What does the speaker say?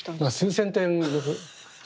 数千点です。